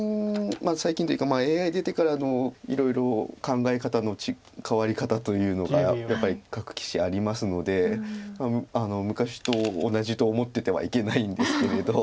最近というかＡＩ出てからのいろいろ考え方の変わり方というのがやっぱり各棋士ありますので昔と同じと思っててはいけないんですけれど。